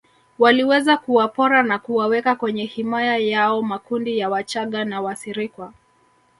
Waliweza kuwapora na kuwaweka kwenye himaya yao makundi ya wachaga na Wasirikwa